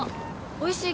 おいしい